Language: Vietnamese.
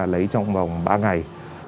lấy trong vòng ba ngày